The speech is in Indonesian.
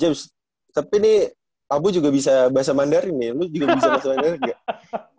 james tapi nih abu juga bisa bahasa mandarin nih lu juga bisa bahasa mandarin gak